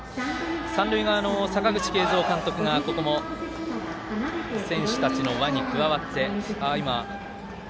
三塁側の阪口慶三監督がここも選手たちの輪に加わって。